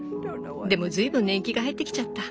でもずいぶん年季が入ってきちゃった。